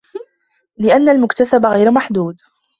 لِأَنَّ الْمُكْتَسَبَ غَيْرُ مَحْدُودٍ